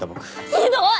ひどい！